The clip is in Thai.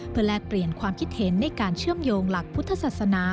เพื่อแลกเปลี่ยนความคิดเห็นในการเชื่อมโยงหลักพุทธศาสนา